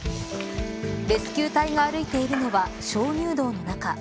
レスキュー隊が歩いているのは鍾乳洞の中。